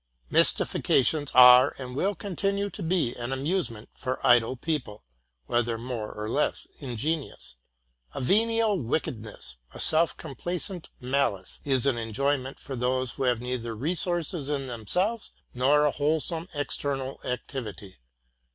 Mystifications are and will continue to be an amusement for idle people, whether more or less ingenious. A venial wickedness, a self complacent malice, is an enjoyment for those who have neither resources in themselves nor a whole some external activity.